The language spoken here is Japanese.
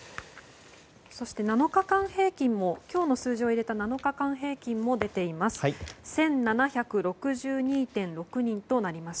そして今日の数字を入れた７日間平均も出ています。